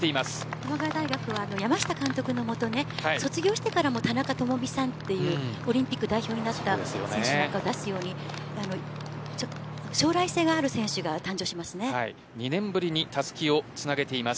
玉川大学は山下監督の下、卒業してからも田中さんというオリンピック代表になった選手が出ていますが将来性のある選手が２年ぶりにたすきをつなげています。